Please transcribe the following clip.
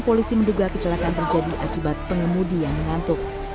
polisi menduga kecelakaan terjadi akibat pengemudi yang mengantuk